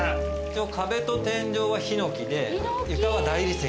壁と天井はヒノキで床は大理石。